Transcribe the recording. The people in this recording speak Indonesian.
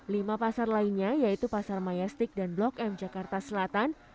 lima pasar lainnya yaitu pasar mayastik dan blok m jakarta selatan